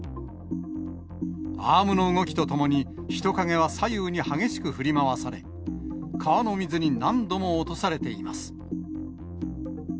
アームの動きとともに、人影は左右に激しく振り回され、川の水に何度も落とされています。